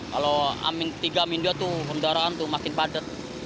kalau tiga minggu itu pembaraan tuh makin padat